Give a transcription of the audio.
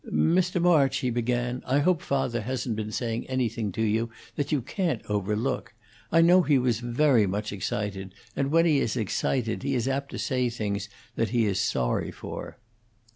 "Mr. March," he began, "I hope father hasn't been saying anything to you that you can't overlook. I know he was very much excited, and when he is excited he is apt to say things that he is sorry for."